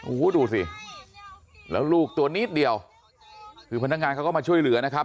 โอ้โหดูสิแล้วลูกตัวนิดเดียวคือพนักงานเขาก็มาช่วยเหลือนะครับ